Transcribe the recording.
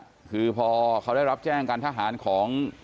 คือพอเขาได้รับแจ้งการทหารของ